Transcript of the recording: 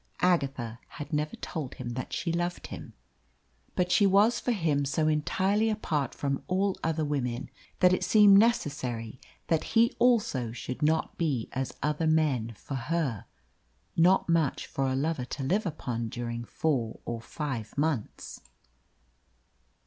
Agatha had never told him that she loved him. But she was for him so entirely apart from all other women that it seemed necessary that he also should not be as other men for her. Not much for a lover to live upon during four or five months!